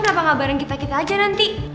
kenapa gak bareng kita kita aja nanti